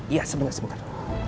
iya sebentar sebentar